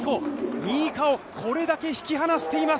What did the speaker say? ２位以下をこれだけ引き離しています。